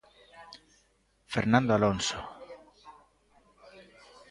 Fernando Alonso.